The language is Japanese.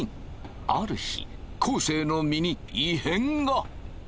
ある日昴生の身に異変が。